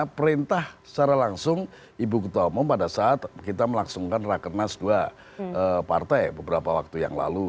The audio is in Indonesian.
karena perintah secara langsung ibu ketua umum pada saat kita melaksungkan rakernas dua partai beberapa waktu yang lalu